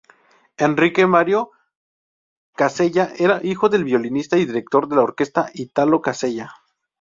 Enrique Mario Casella era hijo del violinista y director de orquesta Italo Casella.